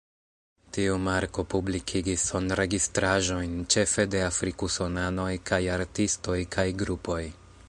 Tiu marko publikigis sonregistraĵojn ĉefe de afrik-usonanoj kaj artistoj kaj grupoj.